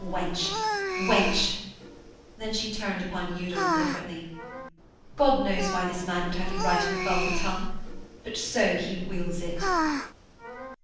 Wench! Wench!...' Then she turned upon Udal indifferently: 'God knows why this man would have you write in the vulgar tongue. But so he wills it.'